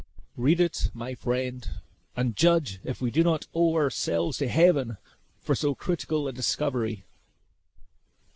Read it, my friend, and judge if we do not owe ourselves to Heaven for so critical a discovery!"